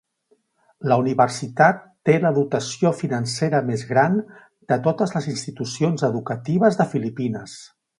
La universitat té la dotació financera més gran de totes les institucions educatives de Filipines.